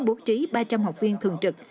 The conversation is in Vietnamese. bố trí ba trăm linh học viên thường trực